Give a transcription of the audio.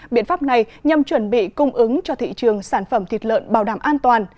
biện pháp này nhằm chuẩn bị cung ứng cho thị trường sản phẩm thịt lợn bảo đảm an toàn